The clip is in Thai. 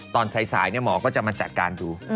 ตอนสายหมอก็จะมาจัดการดู